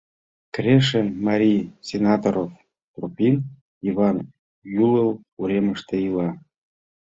Крешын марий Сенаторов Тропин Йыван ӱлыл уремыште ила.